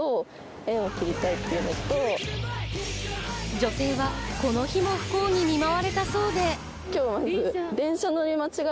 女性はこの日も不幸に見舞われたそうで。